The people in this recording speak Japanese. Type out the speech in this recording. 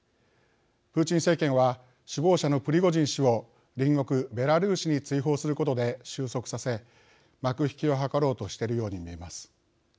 プーチン政権は首謀者のプリゴジン氏を隣国ベラルーシに追放することで収束させ幕引きを図ろうとしてるように見えます。